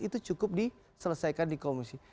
itu cukup diselesaikan di komisi